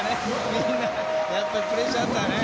やっぱりプレッシャーあったね。